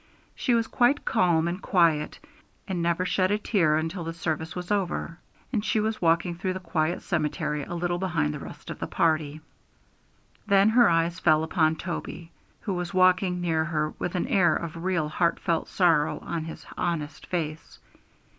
She was quite calm and quiet, and never shed a tear until the service was over, and she was walking through the quiet cemetery a little behind the rest of the party. Then her eyes fell upon Toby, who was walking near her with an air of real heartfelt sorrow on his honest face.